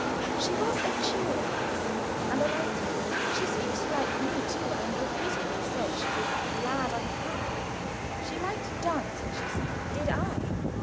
She was a cheery little person, and I liked her. She seemed to like me too, and repeatedly said she was glad I had come. She liked dancing she said. Did I?